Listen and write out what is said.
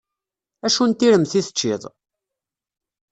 Acu n tiremt i teččiḍ?